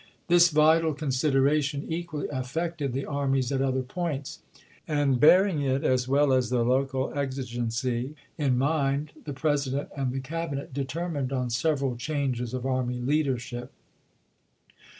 This vital consideration equally affected the armies at other points; and bearing it, as well as the local exigency, in mind, the President and the Cabinet determined on several changes of army leadership.